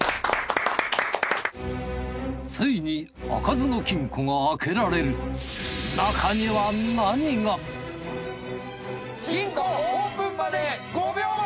ついに開かずの金庫が開けられる金庫オープンまで５秒前！